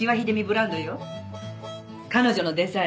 彼女のデザイン。